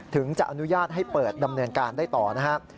ถึงจะอนุญาตให้เปิดดำเนินการได้ต่อนะครับ